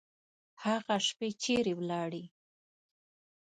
هغه شپې چیري ولاړې؟